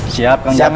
siap kang jakar